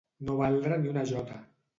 No valdre ni una jota.